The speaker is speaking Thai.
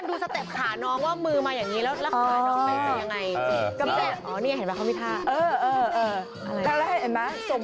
๑๐๒๐คืออะไรอย่างนี้เล่นใหม่